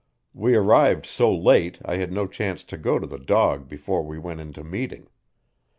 We arrived so late I had no chance to go to the dog before we went into meeting.